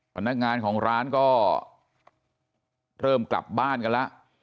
พนักงานของร้านก็เริ่มกลับบ้านกันแล้ว